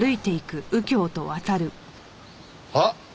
あっ！